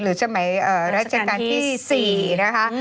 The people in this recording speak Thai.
สมัยราชการที่๔นะคะ